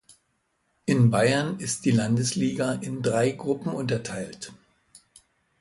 In Bayern ist die Landesliga in drei Gruppen unterteilt.